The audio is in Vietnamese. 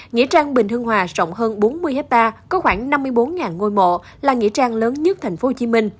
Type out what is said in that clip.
nghĩa trang bình hưng hòa rộng hơn bốn mươi hectare có khoảng năm mươi bốn ngôi mộ là nghĩa trang lớn nhất tp hcm